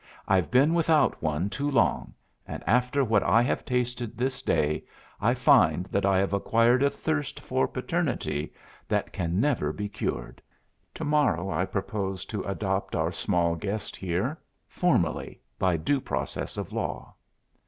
I've been without one too long, and after what I have tasted this day I find that I have acquired a thirst for paternity that can never be cured. To morrow I propose to adopt our small guest here formally by due process of law."